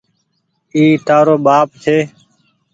اي تآرو ٻآپ ڇي۔